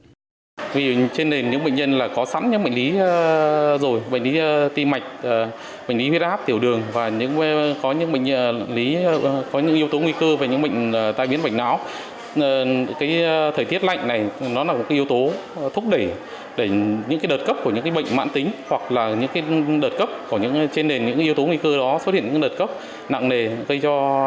những đợt cấp của những bệnh mãn tính hoặc là những đợt cấp trên nền những yếu tố nguy cơ đó xuất hiện những đợt cấp nặng để gây cho bệnh nhân phải nhập viện trong giai đoạn này